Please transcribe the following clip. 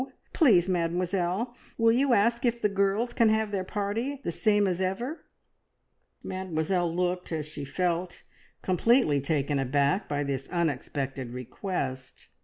Please, Mademoiselle, will you ask if the girls can have their party the same as ever?" Mademoiselle looked, as she felt, completely taken aback by this unexpected request.